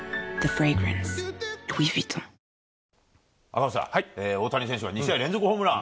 赤星さん、大谷選手が２試合連続ホームラン。